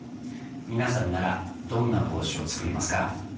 皆さんならどんな帽子を作りますか？